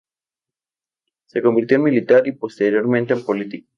Se convirtió en militar y posteriormente en político.